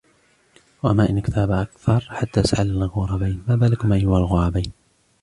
وما إن اقترب أكثر حتى سأل الغرابين: ما بالكما أيها الغرابين؟